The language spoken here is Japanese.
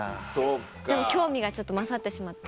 でも興味がちょっと勝ってしまって。